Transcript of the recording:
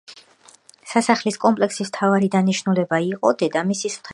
სასახლის კომპლექსის მთავარი დანიშნულება იყო დედამისის ღვთაებრივი დიდება.